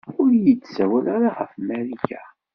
Ur iyi-d-ssawal ara ɣef Marika.